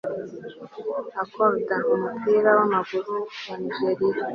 Accolade Umupira wamaguru wa Nigeriya